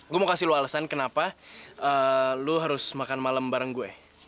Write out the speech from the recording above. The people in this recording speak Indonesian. gw mau kasih lo alesan kenapa lo harus makan malem bareng gw